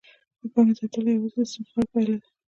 د پانګې زیاتوالی یوازې د استثمار پایله ده